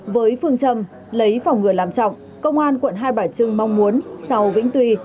với phương trầm lấy phòng ngừa làm trọng công an quận hai bảy trưng mong muốn sau vĩnh tuy